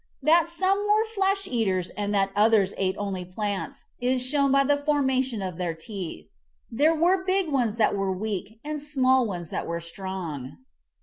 That some were flesh eaters and that others ate only plants, is shown by the formation of their teeth. There were big ones that were weak and small ones that were strong.